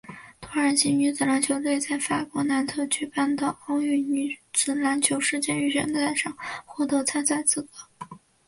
土耳其女子篮球队在法国南特举办的奥运女子篮球世界预选赛上获得参赛资格。